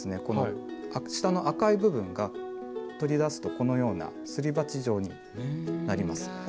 この下の赤い部分が取り出すとこのようなすり鉢状になります。